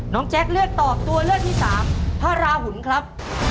น้องแจ็คเลือกตอบตัวเลือกที่๓พระราหุณครับ